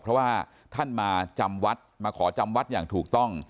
เพราะว่าท่านมาจำวัดมาขอจำวัดอย่างถูกต้อง